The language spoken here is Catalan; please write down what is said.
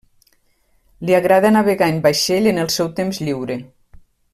Li agrada navegar en vaixell en el seu temps lliure.